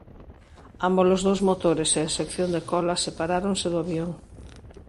Ámbolos dous motores e a sección de cola separáronse do avión.